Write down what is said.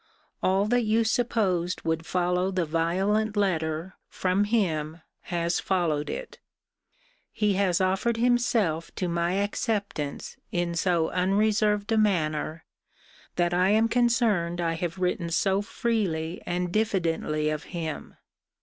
All that you supposed would follow the violent letter, from him, has followed it. He has offered himself to my acceptance in so unreserved a manner, that I am concerned I have written so freely and diffidently of him.